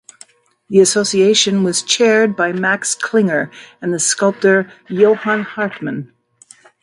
The association was chaired by Max Klinger and the sculptor Johannes Hartmann.